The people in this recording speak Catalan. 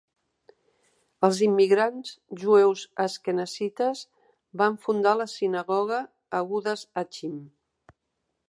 Els immigrants jueus asquenazites van fundar la sinagoga Agudas Achim.